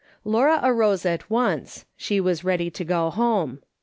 Laura arose at once ; she Avas ready to go home.